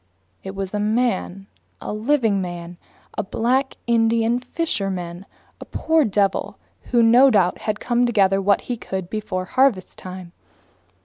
It was a man, a living man, a black Indian fisherman, a poor devil who no doubt had come to gather what he could before harvest time.